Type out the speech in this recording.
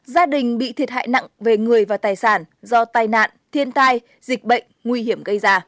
ba gia đình bị thiệt hại nặng về người và tài sản do tai nạn thiên tai dịch bệnh nguy hiểm